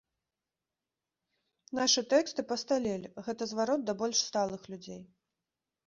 Нашы тэксты пасталелі, гэта зварот да больш сталых людзей.